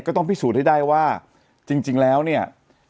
ก็ต้องพิสูจน์ให้ได้ว่าจริงแล้วเนี่ย